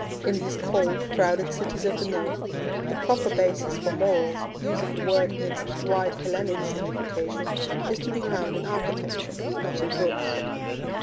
In these cold, crowded cities of the North, the proper basis for morals, using the word in its wide Hellenic signification, is to be found in architecture, not in books.